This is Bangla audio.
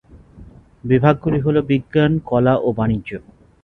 বিভাগগুলো হলো বিজ্ঞান, কলা ও বাণিজ্য।